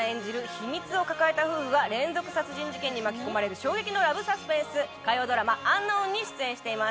秘密を抱えた夫婦が連続殺人事件に巻き込まれる衝撃のラブ・サスペンス火曜ドラマ『ｕｎｋｎｏｗｎ』に出演しています。